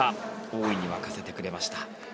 大いに沸かせてくれました。